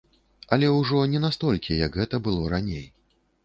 Але ўжо не настолькі, як гэта было раней.